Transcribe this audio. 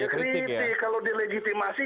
ya kritik kalau delegitimasi